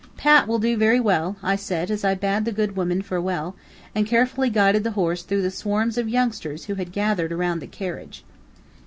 "Pat will do very well," I said, as I bade the good women farewell, and carefully guided the horse through the swarms of youngsters who had gathered around the carriage.